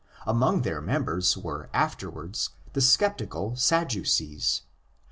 Among their members were afterwards the sceptical Sadducees.